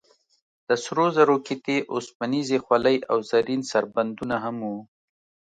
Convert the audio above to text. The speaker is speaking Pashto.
د سرو زرو قطعې، اوسپنیزې خولۍ او زرین سربندونه هم و.